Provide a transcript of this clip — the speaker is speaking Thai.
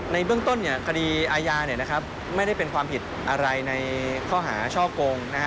ในเบื้องต้นเนี่ยคดีอายาเนี่ยนะครับไม่ได้เป็นความผิดอะไรในข้อหาช่อโกงนะครับ